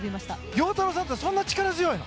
陽太郎さんってそんなに力強いの？